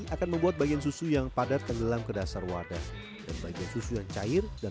akan membuat bagian susu yang padat tenggelam ke dasar wadah dan bagian susu yang cair dan